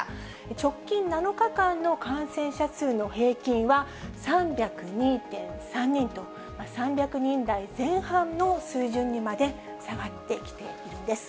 直近７日間の感染者数の平均は３０２．３人と、３００人台前半の水準にまで下がってきているんです。